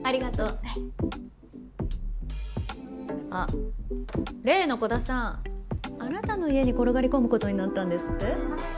あっ例の鼓田さんあなたの家に転がり込む事になったんですって？